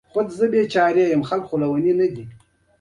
فېسبوک د سولې او محبت پیغام خپروي